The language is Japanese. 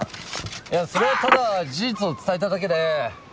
いやそれはただ事実を伝えただけで。